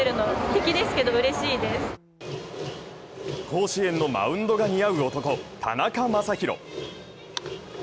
甲子園のマウンドが似合う男、田中将大